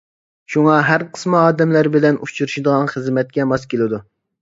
شۇڭا ھەر قىسما ئادەملەر بىلەن ئۇچرىشىدىغان خىزمەتكە ماس كېلىدۇ.